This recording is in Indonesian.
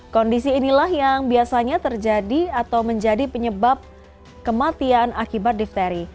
kondisi inilah yang biasanya terjadi atau menjadi penyebab kematian akibat difteri